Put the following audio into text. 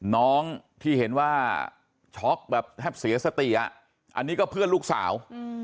น้องที่เห็นว่าช็อกแบบแทบเสียสติอ่ะอันนี้ก็เพื่อนลูกสาว